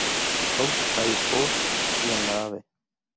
South Airport y en la Ave.